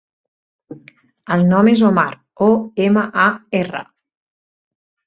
El nom és Omar: o, ema, a, erra.